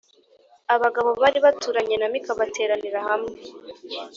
abagabo bari baturanye na Mika bateranira hamwe